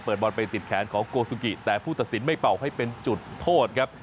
บอลไปติดแขนของโกสุกิแต่ผู้ตัดสินไม่เป่าให้เป็นจุดโทษครับ